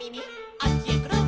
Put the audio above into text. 「あっちへくるん」